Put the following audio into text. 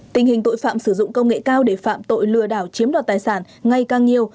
tình hình tội phạm sử dụng công nghệ cao để phạm tội lừa đảo chiếm đoạt tài sản ngay càng nhiều